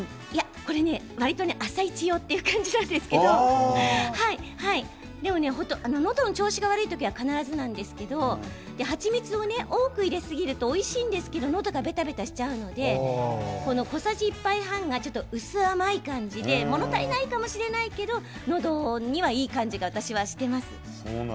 これはわりと「あさイチ」用という感じなんですけれどのどの調子が悪い時には必ずなんですけれど蜂蜜を多く入れすぎるとおいしいんですけれどものどがべたべたしちゃうので小さじ１杯半がちょっと薄甘い感じでもの足りないかもしれないけれどものどにはいい感じが私はしています。